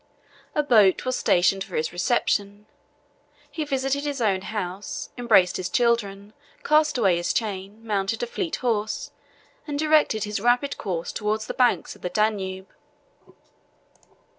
A boat was stationed for his reception: he visited his own house, embraced his children, cast away his chain, mounted a fleet horse, and directed his rapid course towards the banks of the Danube.